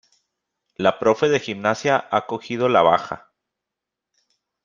La profe de gimnasia ha cogido la baja.